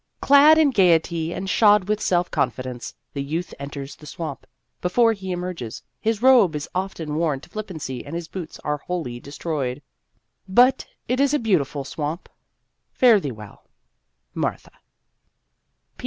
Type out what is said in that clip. Clad in gayety and shod with self confidence, the youth enters the swamp ; before he emerges, his robe is often worn to flippancy and his boots are wholly destroyed. But it is a beautiful swamp. Fare thee well. MARTHA.